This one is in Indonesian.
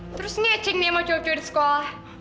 terus ini ecing dia mau cowok cowok di sekolah